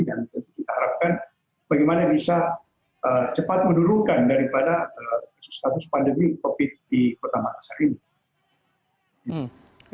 dan kita harapkan bagaimana bisa cepat mendurukan daripada status pandemi covid sembilan belas di kota makassar ini